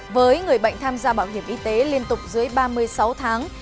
với người bệnh tham gia bảo hiểm y tế liên tục dưới ba mươi sáu tháng